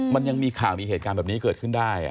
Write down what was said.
มันยังมีข่าวมีเหตุการณ์แบบนี้เกิดขึ้นได้